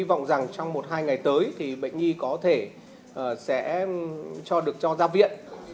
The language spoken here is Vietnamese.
trong một hai ngày tới bệnh nghi có thể sẽ được cho ra viện